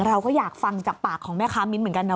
เราก็อยากฟังจากปากของแม่ค้ามิ้นท์เหมือนกันนะ